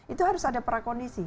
itu harus ada prakondisi